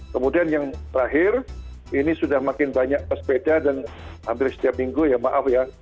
kemudian yang terakhir ini sudah makin banyak pesepeda dan hampir setiap minggu ya maaf ya